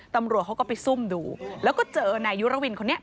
ตำรวจเขาก็ไปซุ่มดูแล้วก็เจอนายยุรวินคนนี้